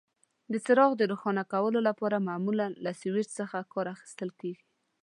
د څراغ د روښانه کولو لپاره معمولا له سویچ څخه کار اخیستل کېږي.